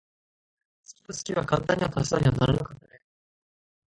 好きと好きは簡単には足し算にはならなかったね。